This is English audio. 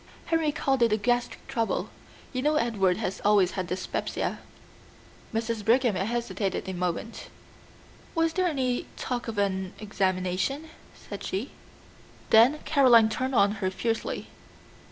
"Henry called it gastric trouble. You know Edward has always had dyspepsia." Mrs. Brigham hesitated a moment. "Was there any talk of an examination?" said she. Then Caroline turned on her fiercely.